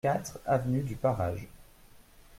quatre avenue du Pareage